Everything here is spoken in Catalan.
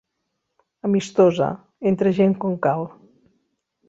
Amistosa, entre gent com cal.